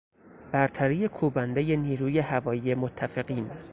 برتری کوبندهی نیروی هوایی متفقین